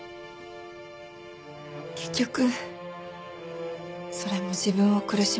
結局それも自分を苦しめるだけでした。